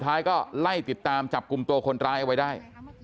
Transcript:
ท้ายก็ไล่ติดตามจับกลุ่มตัวคนร้ายเอาไว้ได้